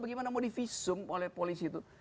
tapi gimana mau di visum oleh polisi itu